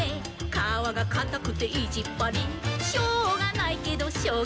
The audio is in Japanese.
「かわがかたくていじっぱり」「しょうがないけどショウガある」